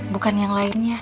bukan yang lainnya